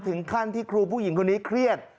ถึงขั้นที่ครูผู้หญิงคนนี้เครียด